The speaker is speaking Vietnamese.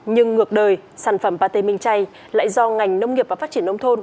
nhưng ngược đời sản phẩm pate minh chay lại do ngành nông nghiệp và phát triển nông thôn